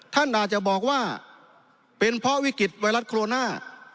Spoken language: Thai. ท่านอาจจะบอกว่าเป็นเพราะวิกฤตไวรัสโคโรนา